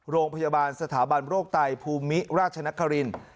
โรงพยาบาลสถาบันโรคไตภูมิราชนครินทร์